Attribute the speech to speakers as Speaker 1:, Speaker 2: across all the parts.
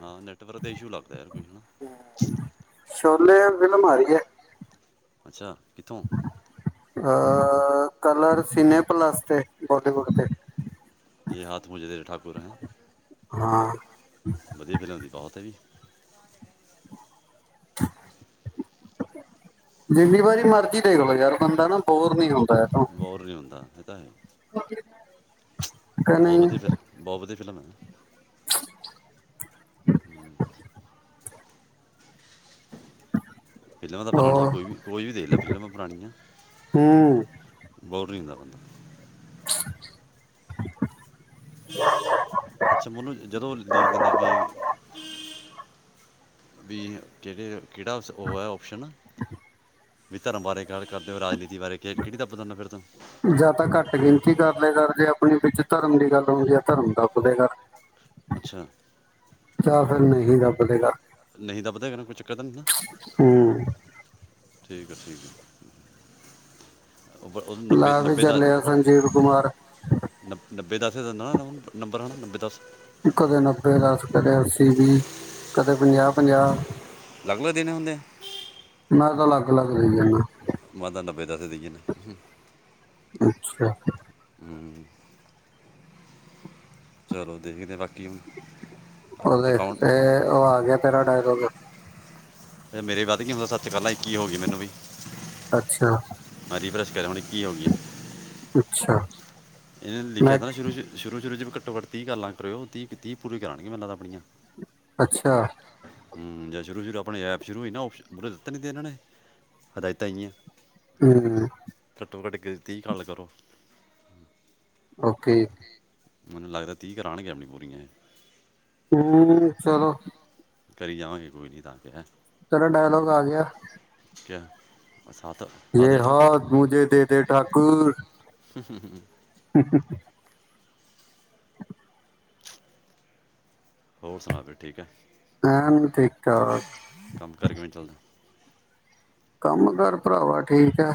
Speaker 1: ਹਾਂ ਨੈਟਵਰਕ ਤੇ ਇਸ਼ੂ ਲੱਗਦਾ ਯਾਰ ਕੁਛ ਹਨ ਨਾ।
Speaker 2: ਮੈ ਵਿਲਮਾਰੀ ਏ।
Speaker 1: ਅੱਛਾ ਇਥੋਂ
Speaker 2: ਅ ਕਲਰ ਸਿਨੇਪਲਸ ਤੇ ਬੋਲੀਵੁਡ ਤੇ।
Speaker 1: ਜੇ ਹਥ ਮੁਝੇ ਦੇ ਠੱਕ। ਕੁਰ ਹੈ।
Speaker 2: ਹਾਂ।
Speaker 1: ਵਧੀਆ ਫਿਲਮ ਦੀ ਬਹੁਤ ਹੈ ਵੀ
Speaker 2: ਜਿੰਨੀ ਵਾਰੀ ਮਰਜੀ ਦੇਖਲੋ ਯਾਰ ਬੰਦਾ ਨਾ ਬੋਰ ਨੀ ਹਉਂ
Speaker 1: ਬੋਰ ਨਹੀਂ ਹੁੰਦਾ, ਏ ਤਾਂ ਹੈ।
Speaker 2: ਕਿ
Speaker 1: ਬਹੁਤ
Speaker 2: ਨਹੀਂ
Speaker 1: ਵਧੀਆ ਫਿਲਮ, ਬਹੁਤ ਵਧੀਆ। ਫਿਲਮ ਹੇ।
Speaker 2: [inaudible]
Speaker 1: ਫਿਲਮਾਂ ਤਾਂ ਪਰਣੀਆਂ
Speaker 2: ਉਹ
Speaker 1: ਕੋਈ ਵੀ, ਕੋਈ ਵੀ ਦੇਖ ਲੈ ਫਿਲਮਾਂ ਪਰਣੀਆਂ।
Speaker 2: ਹੂੰ
Speaker 1: ਬੋਰ ਨਹੀਂ ਹੋਂਦਾ ਬੰਦਾ। ਅੱਛਾ ਮੋਨੂੰ ਜਦੋਂ ਲਿਖ ਦਿੰਦਾ ਵੀ ਵੀ ਕਿਹੜੇ ਕਿਹੜਾ ਉਹ ਹੈ ਓਪਸ਼ਨ। ਵੀ ਧਰਮ ਬਾਰੇ ਗੱਲ ਕਰਦੇ ਹੋ ਰਾਜਨੀਤੀ ਬਾਰੇ ਕਿਹੜੀ ਦਾ ਫਿਰ ਤੁ
Speaker 2: ਆਪਲੇ ਕਰ ਜੇ ਆਪਣੀ ਵਿੱਚ ਧਰਮ ਦੀ ਗੱਲ ਹੁੰਦੀ ਹੈ, ਧਰਮ ਦਾ ਆਪਲੇ ਕਰ।
Speaker 1: ਅੱਛਾ।
Speaker 2: ਯ ਫਿਰ ਨਹੀਂ ਰੱਬ ਦੇਗਾ।
Speaker 1: ਨਹੀਂ ਤਾਂ ਪਤਾ ਇੰਨਾ ਨੂੰ ਕੁਛ। ਚੱਕਰ
Speaker 2: ਹੂੰ।
Speaker 1: ਠੀਕ ਆ, ਠੀਕ ਹੈ। ਨੇ
Speaker 2: ਲਾ ਵੀ
Speaker 1: ਨੱਬੇ ਦਸ,
Speaker 2: ਚੱਲਿਆ ਸੰਜੀਵ ਕੁਮਾਰ
Speaker 1: ਨੱਬੇ ਦਸ ਦਿੰਨਾ ਹੁੰਨਾ ਉਹਨਾ ਨੂੰ ਨੰਬਰ? ਦਸ।
Speaker 2: ਕਦੇ ਨੱਬੇ ਦਸ, ਕਦੇ ਅੱਸੀ ਵੀ, ਕਦੇ ਪੰਜਾਹ-ਪੰਜਾਹ।
Speaker 1: ਲਗ-ਲਗ ਦਿਨ ਹੁੰਦੇ।
Speaker 2: ਮੈਂ ਤਾਂ ਅਲੱਗ-ਅਲੱਗ ਰਹੀ ਜਾਣਾ।
Speaker 1: ਮਾ ਤਾ ਨੱਬੇ ਦਸ ਦੇਈ ਜਾਨਾ।
Speaker 2: ਅੱਛਾ।
Speaker 1: ਹੂੰ ਚਲੋ ਦੇਖਦੇ ਬਾਕੀ ਹੁਣ।
Speaker 2: ਉਹਦੇ
Speaker 1: ਅਕਾਊਂਟ
Speaker 2: ਤੇ ਉਹ ਆ ਗਿਆ ਤੇਰਾ ਡਾਇਲਾਗ।
Speaker 1: ਤੇ ਮੇਰੇ ਅਦ ਕੀ ਹੁੰਦਾ ਸੱਚ ਕਾਲ਼ਾ ਹੀ। ਕੀ ਹੋ ਗਈ ਮੈਨੂੰ ਵੀ।
Speaker 2: ਅੱਛਾ
Speaker 1: [unintelligible] ਕੀ ਹੋਗਆਂ
Speaker 2: ਅੱਛਾ
Speaker 1: ਇਹਨੇ ਲਿਖਿਆ
Speaker 2: ਮੈਂ
Speaker 1: ਨਾ ਸ਼ੁਰੂ ਚ, ਸ਼ੁਰੂ ਚ ਘੱਟ ਤੀਹ ਲੱਗ ਰਹੀਓ, ਤੀਹ-ਤੀਹ ਪੂਰੀ ਕਰਾਗੇ ਮੈਨੂੰ ਤਾਂ ਆਪਣੀਆਂ।
Speaker 2: ਅੱਛਾ।
Speaker 1: ਜਾਂ ਸ਼ੁਰੂ-ਸ਼ੁਰੂ ਆਪਣੇ ਐਪ ਸ਼ੁਰੂ ਹੋਈ ਨਾ ਓਪਸਨ ਤਦ ਤਕ ਇਹਨਾਂ ਨੇ ਹਦਾਇਤਾਂ ਜਿਹੀਆਂ।
Speaker 2: ਹਮ
Speaker 1: ਤੀਹ ਕਾਲ ਕਰੋ
Speaker 2: ਓਕੇ
Speaker 1: ਮੈਨੂੰ ਲੱਗਦਾ ਤੀਹ ਕਰਉਣਗੇ ਆਪਣੀ ਪੂਰੀਆਂ ਇਹ
Speaker 2: ਹਮ ਚਲੋ
Speaker 1: ਕਰੀ ਜਾਵਾਂਗੇ ਕੋਈ ਨੀ ਤਾਂ ਕਿਹੜਾ
Speaker 2: ਤੇਰਾ ਡਾਇਲੋਗ ਆ ਗਿਆ
Speaker 1: ਕਿਆ ਸਾਥ
Speaker 2: ਯੇ
Speaker 1: ਆਦੇ ਠਾਕੁਰ
Speaker 2: ਹਾਥ ਮੁਝੇ ਦੇ ਦੇ ਠਾਕੁਰ
Speaker 1: [unintelligible]
Speaker 2: [unintelligible]
Speaker 1: ਹੋਰ ਸੁਣਾ ਫਿਰ ਠੀਕ ਐ?
Speaker 2: ਐਨ ਠੀਕ ਠਾਕ
Speaker 1: ਕੰਮ ਕਰ ਕਿਵੇਂ ਚੱਲਦਾ
Speaker 2: ਕੰਮ ਕਾਰ ਭਰਾਵਾ ਠੀਕ ਐ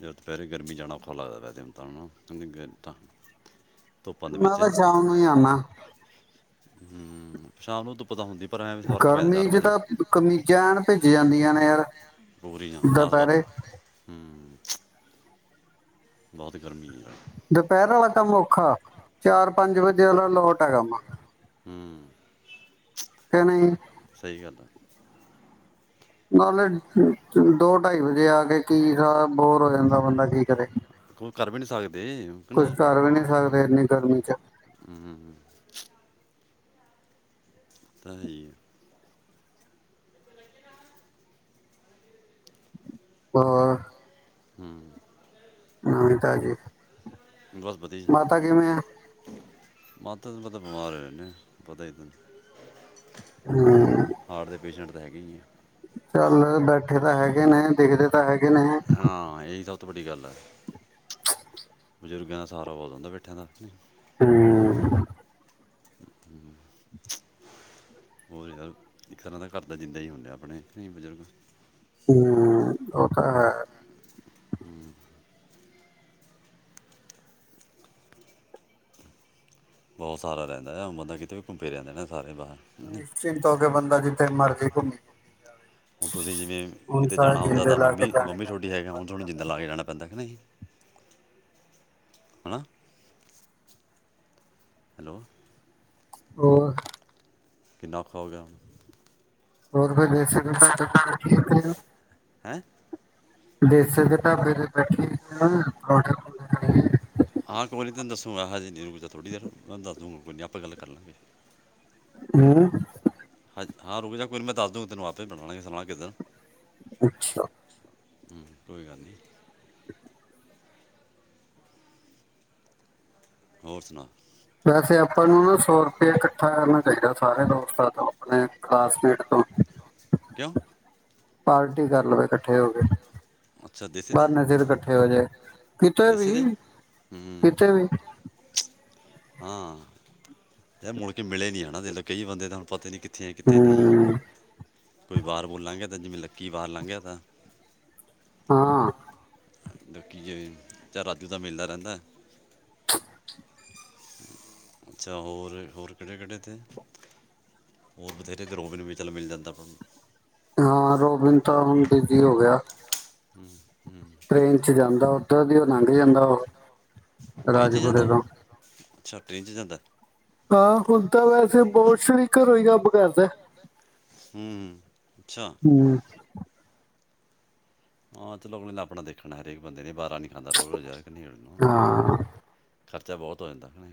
Speaker 1: ਜ ਦਪਹਿਰੇ ਗਰਮੀ ਜਾਣਾ ਔਖਾ ਲੱਗਦੈ ਜੇਮ ਤਾ ਹਨਾ ਗੇ ਤਾ
Speaker 2: ਮੈਂ ਤਾਂ ਸ਼ਾਮ ਨੂੰ ਈ ਆਨਾ
Speaker 1: ਹਮ ਸ਼ਾਮ ਨੂੰ ਧੁੱਪ ਤਾ ਹੁੰਦੀ ਪਰ ਐਵੇਂ ਫਰਕ ਪੈਂਦਾ ਚਾਰ
Speaker 2: ਗਰਮੀ ਚ
Speaker 1: ਪੰਜ
Speaker 2: ਤਾਂ ਕਮੀਜ਼ਾਂ ਐਨ ਭਿਜ ਜਾਂਦੀਆਂ ਨੇ ਯਾਰ
Speaker 1: ਭੋਰੀ ਜਾਂ ਨਾਥ
Speaker 2: ਦੁਪਹਿਰੇ
Speaker 1: ਬਜਦੇ ਹਮ ਬਹੁਤ ਗਰਮੀ ਯਾਰ
Speaker 2: ਦੁਪਹਿਰ ਆਲਾ ਕੰਮ ਔਖਾ ਚਾਰ, ਪੰਜ ਵਜੇ ਆਲਾ ਲੋਟ ਐਗਾ ਕੰਮ
Speaker 1: ਹਮ
Speaker 2: ਕਿ ਨਹੀਂ
Speaker 1: ਸਹੀ ਗੱਲ ਆ।
Speaker 2: ਨਾਲੇ ਦੋ ਢਾਈ ਵਜੇ ਆ ਕੇ, ਕੀ ਕਾ ਬੋਰ ਹੋ ਜਾਂਦੈ ਬੰਦਾ ਕੀ ਕਰੇ
Speaker 1: ਉਹ ਕਰ ਵੀ ਨੀ ਸਕ ਦੇਅਕ
Speaker 2: ਕੁਛ
Speaker 1: ਨਹੀਂ
Speaker 2: ਕਰ ਵੀ ਨਹੀਂ ਸਕਦੇ ਇੰਨੀ ਗਰਮੀ ਚ
Speaker 1: ਹਮ ਤਾਂ, ਹੈ, ਈ ਐ
Speaker 2: ਪਹਾੜ
Speaker 1: ਹਮ
Speaker 2: ਨਵੀਂ, ਤਾਜੀ
Speaker 1: ਬਸ ਵਧੀਆ
Speaker 2: ਮਾਤਾ ਕਿਵੇਂ ਆ
Speaker 1: ਜੀ। ਮਾਤਾ ਦ ਤਾ ਬਿਮਾਰ ਈ ਰਹਿੰਨੇ ਐ ਪਤਾ ਈ ਏ ਤ
Speaker 2: ਹਮ
Speaker 1: ਹਾਰਟ ਦੇ ਪੇਸ਼ੈਂਟ ਤਾ ਹੈਗੇ, ਈ, ਏ
Speaker 2: ਚੱਲ ਬੈਠੇ ਤਾਂ ਹੈਗੇ ਨੇ, ਦੇਖਦੇ ਤਾਂ ਹੈਗ
Speaker 1: ਹਾਂ, ਇਹੀ ਤਾ ਬਹੁਤ ਵੱਡੀ ਗੱਲ ਐ, ਬਜ਼ੁਰਗਾਂ ਦਾ ਸਹਾਰਾ ਬਹੁਤ ਹੁੰਦਾ ਬੈਠਿਆਂ ਦਾ।
Speaker 2: ਹਮ।
Speaker 1: ਹੋਰ [unintelligible] ਇੱਕ ਇਹਨਾਂ ਦਾ ਘਰ ਦਾ ਜਿੰਦਾ ਹੀ ਹੁੰਦਾ ਆਪਣੇ, ਕਈ ਬਜ਼ੁਰਗ
Speaker 2: ਹਮ, ਉਹ, ਤਾਂ ਹੈ।
Speaker 1: ਹਮ। ਬਹੁਤ ਸਾਰਾ ਰਹਿੰਦਾ ਹੈ, ਉਹ ਬੰਦਾ ਕਿਤੇ ਵੀ ਘੁੰਮ ਫਿਰ ਆਂਦੇ
Speaker 2: ਨਿਸ਼ਚਿੰਤ ਹੋ ਕੇ, ਬੰਦਾ ਜਿੱਥੇ ਮਰਜ਼ੀ ਘੁੰਮ
Speaker 1: ਹੁਣ ਤੁਸੀਂ ਜਿਵੇਂ ਕਿਤੇ ਜਾਣਾ
Speaker 2: ਸਾਰੇ
Speaker 1: ਹੁੰਦਾ
Speaker 2: ਜਿੰਦੇ
Speaker 1: ਤਾਂ,
Speaker 2: ਲਾ ਕੇ ਜਾਣੇ
Speaker 1: ਮੰਮੀ-ਮੰਮੀ ਤੁਹਾਡੀ
Speaker 2: ਪੈਂਦੇ ਆ
Speaker 1: ਹੈਗਾ,
Speaker 2: ਵਰਤ
Speaker 1: ਹੁਣ ਤੁਹਾਨੂੰ ਜਿੰਦਾ ਲਾ
Speaker 2: ਪੈਂਦੇ
Speaker 1: ਕੇ ਜਾਣਾ ਪੈਂਦਾ ਹੈ ਕੇ ਨਹੀਂ? ਹਨਾ? ਹੈਲੋ।
Speaker 2: ਹੋਰ।
Speaker 1: ਕਿੰਨਾ ਔਖਾ ਹੋ ਗਿਆ
Speaker 2: ਹੋ [unintelligible]
Speaker 1: ਹੈਂ
Speaker 2: ਦੇਸਰ ਦੇ ਢਾਬੇ ਤੇ ਬੈਠੇ ਹਾਂ ਖਾਣਾ, ਖੁਣਾ ਖ
Speaker 1: ਹਾਂ ਕੋਈ ਨੀ ਤੈਨੂੰ ਦੱਸੂੰਗਾ ਹਜੇ ਨਹੀਂ ਰੁਕ ਜਾ ਥੋੜੀ ਦੇਰ, ਮੈਂਨੂੰ ਦੱਸ ਦੂਗਾ ਕੋਈ ਨੀ ਆਪਾਂ ਗੱਲ ਕਰ ਲੇਂਗੇ।
Speaker 2: ਹਮ
Speaker 1: ਹੱ ਹਾਂ, ਰੂਕ ਜਾ, ਕੋਈ ਮੈਂ ਦੱਸ ਦੂੰਗੀ ਤੈਨੂੰ, ਆਪ ਹੀ ਬਣਾ ਲਾਂਗੇ ਕਿਸੇ ਨਾ ਕਿਸੇ ਦਿਨ।
Speaker 2: ਅੱਛਾ।
Speaker 1: ਕੋਈ ਗੱਲ ਨਹੀਂ। ਹੋਰ ਸੁਣਾ?
Speaker 2: ਵੈਸੇ ਆਪਾਂ ਨੂੰ ਨਾ ਸੌ ਰੁਪਆ ਇਕੱਠਾ ਕਰਨਾ ਠੀਕ ਏ ਸਾਰੇ ਦੋਸਤਾਂ ਆਪਣੇ ਕਲਾਸਮੇਟ ਤੋਂ
Speaker 1: ਕਿਉਂ
Speaker 2: ਪਾਰਟੀ ਕਰ ਲਵੇ ਕੱਠੇ ਹੋ ਕੇ,
Speaker 1: ਅੱਛਾ ਦੇਸੇ ਤੇ
Speaker 2: [unintelligible] ਇਕੱਠੇ ਹੋਜਏ, ਕਿਤੇ
Speaker 1: ਦੇਸੇ
Speaker 2: ਵੀ,
Speaker 1: ਤੇ ਹੂੰ
Speaker 2: ਕਿਤੇ ਵੀ।
Speaker 1: ਹਾਂ। ਇਹ ਮੁੜ ਕੇ ਮਿਲੇ ਨੀ ਹਨਾਂ, ਹਲੇ ਕਈ ਬੰਦੇ ਤਾਂ ਹੁਣ ਪਤਾ ਨੀ ਕਿ ਕਿੱਥੇ ਏ, ਕਿਥੇ ਨਈਂ ਏ?
Speaker 2: ਹਮ,
Speaker 1: ਕੋਈ ਬਾਹਰ ਬੋਲਾਂਗੇ ਜਿਵੇਂ ਲੱਕੀ ਬਾਰ ਲਾਂਘਿਆ ਤਾਂ।
Speaker 2: ਹਾਂ।
Speaker 1: ਲਕੀ ਜੇ ਚਲ ਰਾਤੀ ਤਾਂ ਮਿਲਦਾ ਰਹਿੰਦਾ ਐ। ਅੱਛਾ ਹੋਰ, ਹੋਰ ਕਿਹੜੇ-ਕਿਹੜੇ ਇੱਥੇ? ਹੋਰ ਬਥੇਰੇ ਇੱਕ ਰੋਬਿਨ ਵੀ ਚਲ ਮਿਲ ਜਾਂਦਾ ਆਪਾਂ ਨੂੰ
Speaker 2: ਹਾਂ ਰੋਬਿਨ ਤਾਂ ਹੁਣ ਬਿਜੀ ਹੋ ਗਿਆ।
Speaker 1: ਹਂ
Speaker 2: ਟ੍ਰੇਨ ਚ ਜਾਂਦਾ ਉੱਧਰ ਦੀ ਉਹ ਲੰਘ ਜਾਂਦਾ ਉਹ,
Speaker 1: ਟ੍ਰੇਨ 'ਚ ਜਾਂਦਾ
Speaker 2: ਰਾਜਪੁਰੇ
Speaker 1: ਉਹ?
Speaker 2: ਤੋਂ।
Speaker 1: ਅੱਛਾ ਟ੍ਰੇਨ ਚ ਜਾਂਦਾ ਏ!
Speaker 2: ਹਾਂ, ਹੁਣ ਤਾਂ ਵੈਸੇ ਬੋਸ ਨੀਂ ਘਰੋਂ ਹੀ ਕੰਮ ਕਰਦਾ ਐ।
Speaker 1: ਹਂ।
Speaker 2: ਹਂ।
Speaker 1: ਹਾਂ, ਚਲੋ ਪਹਿਲੇ ਆਪਣਾ ਦੇਖਣਾ ਹਰੇਕ ਬੰਦੇ ਨੇ ਵਾਰਾ ਨਹੀਂ ਖਾਂਦਾ ਰੋਜ-ਰੋਜ ਆਯਾ [unintelligible]
Speaker 2: ਹਾਂ
Speaker 1: ਖਰਚਾ ਬਹੁਤ ਹੋ ਜਾਂਦਾ ਐ।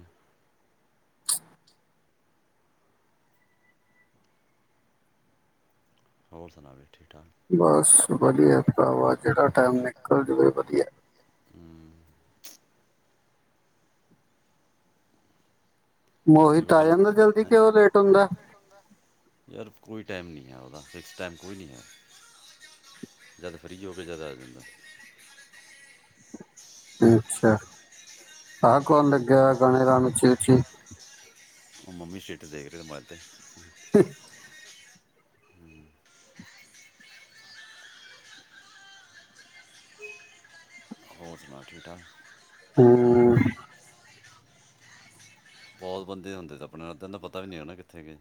Speaker 1: ਹੋਰ ਸੁਣਾ ਵੀ ਠੀਕ ਠਾਕ
Speaker 2: ਬਸ ਵਦੀਆਂ ਪਰਾਵਾ, ਜਿਹੜਾ ਟਾਈਮ ਨਿਕਲ ਜਾਵੇ ਉਹ ਵਦੀਆ
Speaker 1: ਹਂ ਤੇਰੇ
Speaker 2: ਮੋਹਿਤ
Speaker 1: ਕੋਲ
Speaker 2: ਆ
Speaker 1: ਗੱਲ
Speaker 2: ਜਾਂਦਾ ਜਲਦੀ
Speaker 1: ਹੈਂ
Speaker 2: ਕਿ ਉਹ ਲੇਟ ਹੁੰਦਾ।
Speaker 1: ਯਾਰ ਕੋਈ ਟਾਈਮ ਨਹੀਂ ਹੈਗਾ ਓਦਾ ਫਿਕਸ ਟਾਈਮ ਕੋਈ [unintelligible] ਨਈਂ ਹੈਗਾ ਜਦ ਫਰੀ ਹੋਵੇ ਜਦ ਆ ਜਾਂਦਾ।
Speaker 2: ਅੱਛਾ ਆ ਕੌਣ ਲੱਗਿਆ ਗਾਣੇ ਗਾਣ ਉੱਚੀ-ਉੱਚੀ
Speaker 1: ਉਹ ਮੰਮੀ ਸਿੱਟ ਦੇਖ ਰਹੇ ਮੋਬਾਈਲ ਤੇ।
Speaker 2: [unintelligible]
Speaker 1: ਹੋਰ ਸੁਣਾ ਠੀਕ ਠਾਕ
Speaker 2: ਹਂ
Speaker 1: ਬਹੁਤ ਬੰਦੇ ਹੁੰਦੇ ਆਪਣੇ ਦਾ ਪਤਾ ਵੀ ਨਹੀਂ ਹੋਣਾ ਕਿੱਥੇ ਗਏ।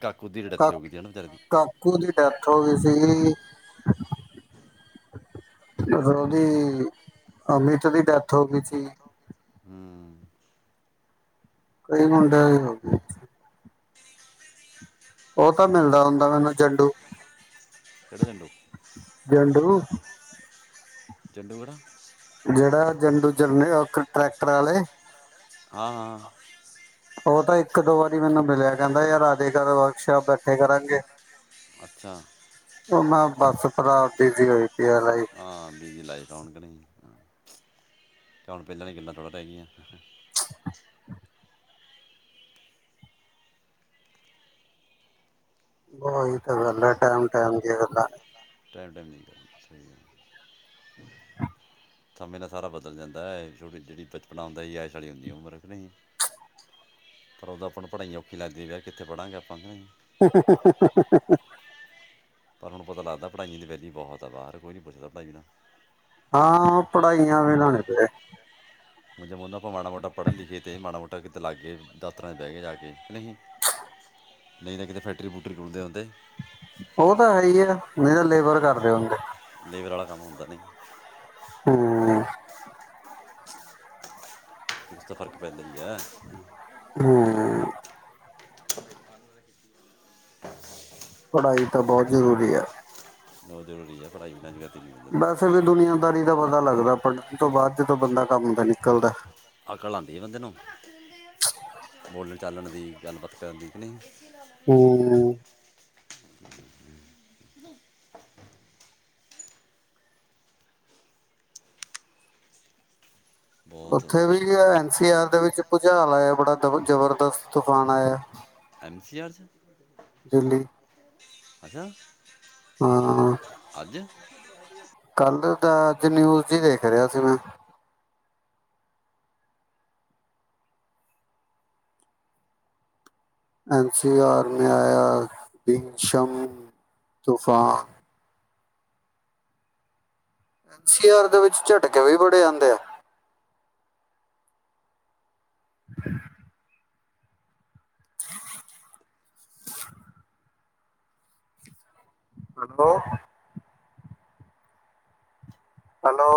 Speaker 1: ਕਾਕੂ ਦੀ
Speaker 2: ਕਾ
Speaker 1: ਡੈਥ ਹੋ ਗਈ ਸੀ ਨਾ ਵਿਚਾਰੇ ਦੀ
Speaker 2: ਕਾਕੂ ਦੀ ਡੈਥ ਹੋ ਗਈ ਸੀ [unintelligible] ਓਦੀ ਅਮਿਤ ਦੀ ਡੈਥ ਹੋ ਗਈ ਸੀ।
Speaker 1: ਹਂ।
Speaker 2: ਕਈ ਮੁੰਡਿਆਂ ਦੀ ਹੋ ਗਈ ਈ ਉਹ ਤਾਂ ਮਿਲਦਾ ਹੁੰਦਾ ਮੈਨੂੰ ਜੰਡੂ।
Speaker 1: ਕਿਹੜਾ ਜੰਡੂ?
Speaker 2: ਜੰਡੂ।
Speaker 1: ਜੰਡੂ ਗੜਾ।
Speaker 2: ਜਿਹੜਾ ਜੰਦੂ ਜਰਨ ਟਰੈਕਟਰ ਵਾਲੇ।
Speaker 1: ਹਾਂ। ਹਾਂ।
Speaker 2: ਉਹ ਤਾਂ ਇੱਕ ਦੋ ਵਾਰੀ ਮੈਨੂੰ ਮਿਲਿਆ ਕਹਿੰਦਾ ਯਾਰ ਆ ਦੇਖ ਵਰਕਸ਼ਾਪ ਬੈਠੇ ਕਰਾਂਗੇ,
Speaker 1: ਅੱਛਾ
Speaker 2: ਉਹ ਮੈਂ ਬੱਸ ਪ੍ਰਾਪਤਿ ਜਿਹੀ ਹੋਈ ਪਈ ਏ ਲਾਈਫ।
Speaker 1: ਹਾਂ [unintelligible] ਹੁਣ ਪਹਿਲੇ ਵਾਲੀ ਗੱਲਾਂ ਥੋੜੇ ਰਹੇ ਗਇਆ।
Speaker 2: ਓਹੀ ਤੇ ਗੱਲ ਹੈ ਟਾਈਮ-ਟਾਈਮ ਦੀ ਗੱਲਾਂ।
Speaker 1: ਟਾਈਮ-ਟਾਈਮ ਦੀ ਗੱਲ ਆ।
Speaker 2: [inaudible]
Speaker 1: ਸਮੇਂ ਨਾਲ ਸਾਰਾ ਬਦਲ ਜਾਂਦਾ ਏ, ਛੋਟੇ ਜਿਹੜੀ ਬਚਪਨਾ ਹੁੰਦਾ ਐਸ਼ ਵਾਲੀ ਹੁੰਦੀ ਹੈ ਉਮਰ, ਨਹੀਂ ਜੀ ਉਦੋਂ ਆਪਾਂ ਪੜ੍ਹਾਈਆਂ ਔਖੀ ਲਗਦੀ ਏ ਕਿੱਥੇ ਪੜਾਂਗੇ ਅਪਾ।
Speaker 2: ਹ-ਹ-ਹ।
Speaker 1: ਪਰ ਹੁਣ ਪਤਾ ਲੱਗਦਾ। ਪਾਜੀ ਦੇ ਵੈਸੇ ਹੀ ਬਹੁਤ ਆਭਾਰ, ਕੋਈ ਨਹੀਂ ਪੁੱਛਦਾ ਪੜਆਈ ਬਿਨਾ।
Speaker 2: ਹਾਂ ਪੜ੍ਹਾਈਆਂ ਵੀ [unintelligible]
Speaker 1: ਜਦ ਉਹਨੂੰ ਆਪਾਂ ਮਾੜਾ ਮੋਟਾ ਪੜ੍ਹਨ ਲਿਖੇ ਤੇ ਮਾੜਾ ਮੋਟਾ ਕਿਤੇ ਲਗ ਗਏ ਦਫਤਰਾਂ ਵਿਚ ਬਹਿ ਗਏ ਜਾ ਕੇ ਨਹੀਂ। ਨਹੀਂ ਤਾਂ ਕਿਤੇ ਫੈਕਟਰੀ ਫੂਕਟਰੀ ਰੁਲਦੇ ਹੁੰਦੇ।
Speaker 2: ਉਹ ਤਾਂ ਹੈ ਹੀ ਆ। ਨਹੀਂ ਤਾਂ ਲੇਬਰ ਕਰਦੇ ਹੁੰਦੇ।
Speaker 1: ਲੇਬਰ ਵਾਲਾ ਕੰਮ ਹੁੰਦਾ ਨੀ
Speaker 2: ਹਮ।
Speaker 1: ਕੁਛ ਤਾਂ ਫਰਕ ਪੈਂਦਾ ਈ ਏ।
Speaker 2: ਹਮ।
Speaker 1: [inaudible]
Speaker 2: ਪੜ੍ਹਾਈ ਤਾਂ ਬਹੁਤ ਜ਼ਰੂਰੀ ਹੈ।
Speaker 1: ਬੋਤ ਜ਼ਰੂਰੀ ਹੈ ਪੜ੍ਹਾਈ ਵਿ ਅੱਜ ਕੱਲ।
Speaker 2: ਵੈਸੇ ਵੀ ਦੁਨੀਆਂਦਾਰੀ ਦਾ ਵ ਅਗਲਾ ਪੜ੍ਹਨ ਤੋਂ ਬਾਅਦ ਤਾ ਬੰਦਾ ਕੰਮ ਤੇ ਨਿਕਲਦਾ।
Speaker 1: ਅਕਲ ਆਉਂਦੀ ਹੈ ਬੰਦੇ ਨੂੰ ਬੋਲਣ ਚਾਲਣ ਦੀ ਗੱਲਬਾਤ ਕਰਨ ਦੀ ਕਿ ਨਹੀਂ।
Speaker 2: ਹਮ।
Speaker 1: ਬਹੁਤ
Speaker 2: ਉੱਥੇ ਵੀ ਐਨ ਸੀ ਆਰ ਦੇ ਵਿੱਚ ਭੁਚਾਲ ਆਇਆ ਬੜਾ ਦਬਰ ਜਬਰ ਤੂਫਾਨ ਆਇਆ।
Speaker 1: ਸੀ ਆਰ ਚ।
Speaker 2: ਦਿੱਲੀ।
Speaker 1: ਅੱਛਾ।
Speaker 2: ਹਾਂ।
Speaker 1: ਅੱਜ
Speaker 2: ਕੱਲ ਦਾ ਅੱਜ ਨਿਊਜ਼ ਜੀ ਦੇਖ ਰਿਹਾ ਸੀ ਮੈਂ। ਐਨ ਸੀ ਆਰ ਮੈਂ ਆਇਆ ਬਿਗਸ਼ਮ ਤੂਫਾਨ। ਐਨ ਸੀ ਆਰ ਦੇ ਵਿੱਚ ਝਟਕੇ ਵੀ ਬੜੇ ਆਉਂਦੇ ਆ ਲੰਦੋ ਹੈਲੋ।